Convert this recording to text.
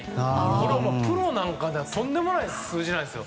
これはプロなんかではとんでもない数字なんです。